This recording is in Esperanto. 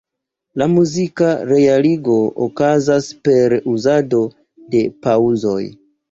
La muzika realigo okazas per uzado de paŭzoj.